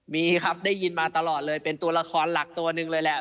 มีครับได้ยินมาตลอดเลยเป็นตัวละครหลักตัวหนึ่งเลยแหละ